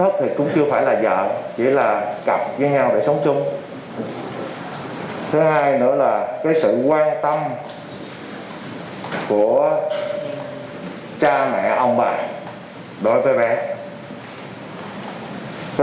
thứ hai nữa là sự quan tâm của cha mẹ ông bà đối với bé